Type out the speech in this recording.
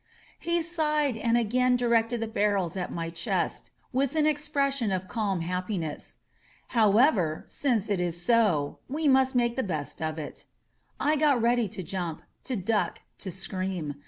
He sighed and again directed the barrels at my chest, with an ex pression of calm happiness. "However, since it is so, we must make the best of it." I got ready to jump, to duck, to scream.